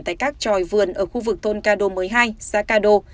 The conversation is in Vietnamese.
tại các tròi vườn ở khu vực thôn cado một mươi hai xã cado